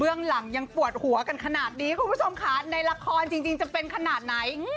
เรื่องหลังยังปวดหัวกันขนาดนี้คุณผู้ชมค่ะในละครจริงจะเป็นขนาดไหน